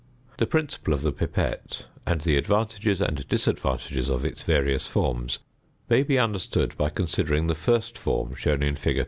The principle of the pipette, and the advantages and disadvantages of its various forms, may be understood by considering the first form shown in fig.